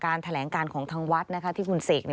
การแถลงการของทางวัดนะคะ